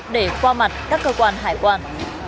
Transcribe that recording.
để qua mặt các cơ quan hải quản